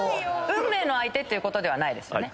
運命の相手っていうことではないですよね。